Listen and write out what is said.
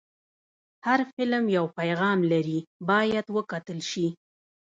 هر فلم یو پیغام لري، باید وکتل شي.